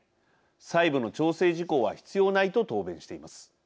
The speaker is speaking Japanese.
細部の調整事項は必要ないと答弁しています。